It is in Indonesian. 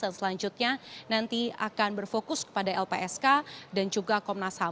dan selanjutnya nanti akan berfokus kepada lpsk dan juga komnas ham